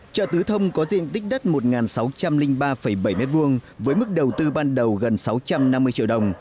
chợ tứ thông có diện tích đất một sáu trăm linh ba bảy m hai với mức đầu tư ban đầu gần sáu trăm năm mươi triệu đồng